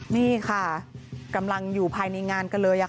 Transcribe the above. นี่ค่ะกำลังอยู่ภายในงานกันเลย